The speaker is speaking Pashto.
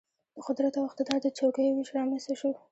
د قدرت او اقتدار د چوکیو وېش رامېنځته شو.